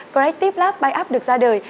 creative lab by up được ra đời